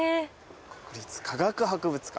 国立科学博物館。